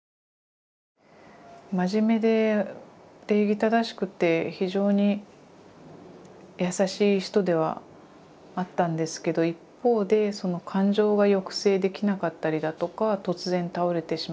真面目で礼儀正しくて非常に優しい人ではあったんですけど一方で感情が抑制できなかったりだとか突然倒れてしまったり。